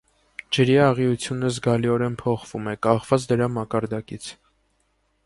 Ջրի աղիությունը զգալիորեն փոխվում է՝ կախված դրա մակարդակից։